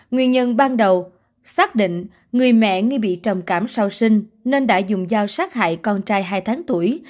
nguyên nhân ban đầu xác định người mẹ nghi bị trầm cảm sau sinh nên đã dùng dao sát hại con trai hai tháng tuổi